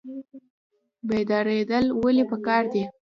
بیداریدل ولې پکار دي؟